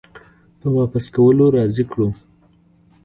په واپس کولو راضي کړو